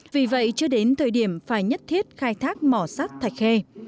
vì vậy chưa đến thời điểm phải nhất thiết khai thác mỏ sắt thạch khê